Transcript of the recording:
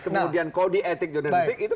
kemudian kode etik jodentik itu